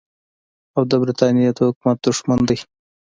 او د برټانیې د حکومت دښمن دی.